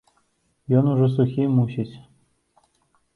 Ён ужо сухі, мусіць.